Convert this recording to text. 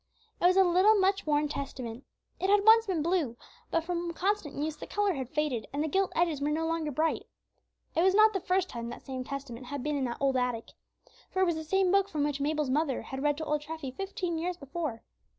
It was a little, much worn Testament. It had once been blue, but from constant use the color had faded, and the gilt edges were no longer bright. It was not the first time that same Testament had been in that old attic. For it was the same book from which Mabel's mother had read to old Treffy fifteen years before.